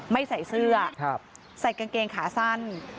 ไม่ใส่เสื้อใส่กางเกงขาสั้น